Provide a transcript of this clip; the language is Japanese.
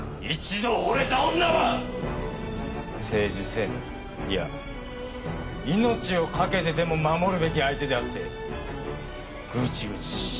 一度惚れた女は政治生命いや命を賭けてでも守るべき相手であってぐちぐち